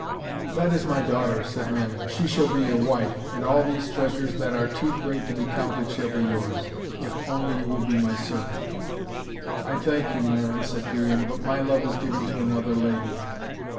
'That is my daughter,' said Mammon. 'She shall be your wife, and all these treasures that are too great to be counted shall be yours, if only you will be my servant.' 'I thank you, Mammon,' said Guyon, 'but my love is given to another lady.'